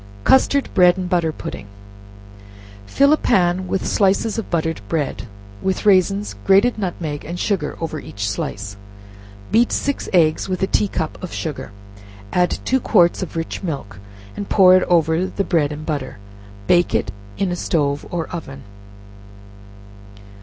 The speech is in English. Custard Bread and Butter Pudding. Fill a pan with slices of buttered bread, with raisins, grated nutmeg and sugar over each slice; beat six eggs with a tea cup of sugar; add two quarts of rich milk, and pour it over the bread and butter; bake it in a stove or oven.